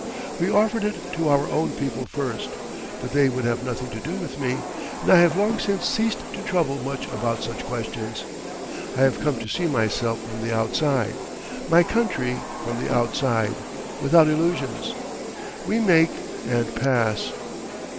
We offered it to our own people first, but they would have nothing to do with me, and I have long since ceased to trouble much about such questions. I have come to see myself from the outside, my country from the outside—without illusions. We make and pass.